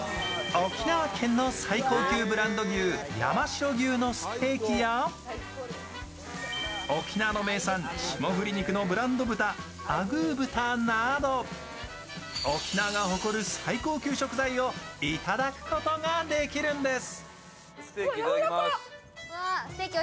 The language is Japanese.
沖縄県の最高級ブランド牛、山城牛のステーキや沖縄の名産、霜降り肉のブランド豚・アグー豚など沖縄が誇る最高級食材をいただくことができるんです。